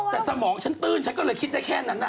แต่สมองฉันตื้นฉันก็เลยคิดได้แค่นั้น